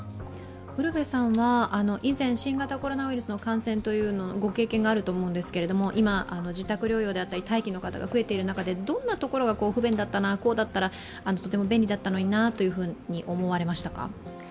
ウルヴェさんは以前、新型コロナウイルスの感染経験があると思うんですけれども、今、自宅療養だったり待機の方が増えている中でどんなところが不便だったな、こうだったらとても便利だったのになと思われましたか？